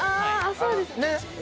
そうですね